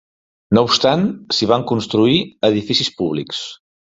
No obstant, s'hi van construir edificis públics.